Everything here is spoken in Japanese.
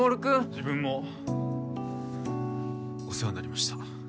自分もお世話になりました